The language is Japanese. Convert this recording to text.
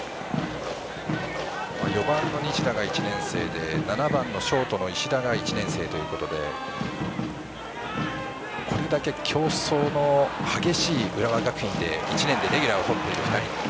４番の西田が１年生で７番のショートの石田が１年生ということでこれだけ競争の激しい浦和学院で１年でレギュラーをとっている２人。